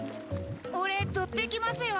俺取ってきますよ。